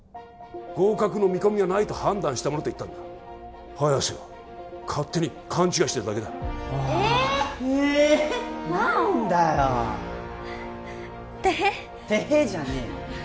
合格の見込みがないと判断した者と言ったんだ早瀬が勝手に勘違いしてるだけだおいえっ菜緒っ何だよテヘッテヘッじゃねえよ